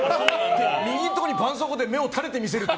右のところにばんそうこうで目を垂れて見せるって。